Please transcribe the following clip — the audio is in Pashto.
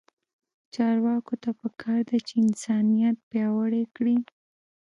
چارواکو ته پکار ده چې، انسانیت پیاوړی کړي.